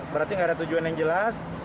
berarti nggak ada tujuan yang jelas